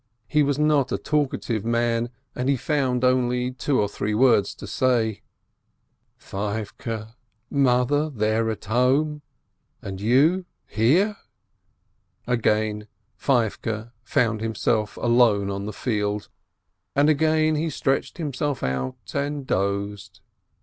He was not a talk ative man, and he found only two or three words to say: "Feivke, Mother there at home — and you — here?" Again Feivke found himself alone on the field, and again he stretched himself out and dozed.